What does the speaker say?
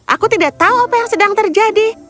aku tidak tahu apa yang sedang terjadi